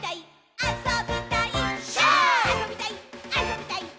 あそびたいっ！！」